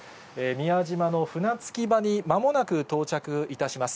宮島の船着き場に、まもなく到着いたします。